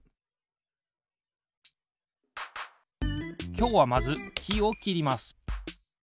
きょうはまずきをきります。